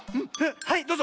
はいどうぞ。